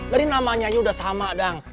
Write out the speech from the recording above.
dari namanya aja udah sama dong